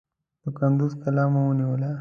د کندوز قلا مو ونیول.